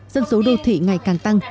dân số đô thị ngày càng tăng